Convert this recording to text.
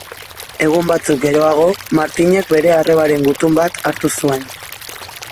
Egun batzuk geroago, Martinek bere arrebaren gutun bat hartu zuen.